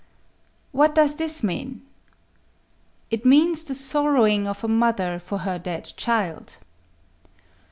What does this mean? It means the sorrowing of a mother for her dead child.